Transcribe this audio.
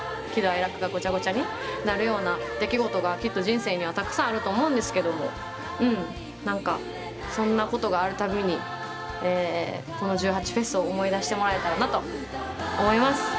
喜怒哀楽がごちゃごちゃになるような出来事がきっと人生にはたくさんあると思うんですけども何かそんなことがある度にこの１８祭を思い出してもらえたらなと思います。